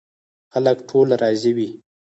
خلک ټول راضي وي.